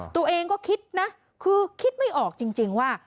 ตัวเองก็คิดนะคือคิดไม่ออกจริงว่า